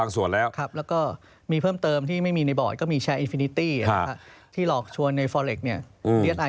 ซึ่งตรงนี้เนี่ยตัวแม่ข่าย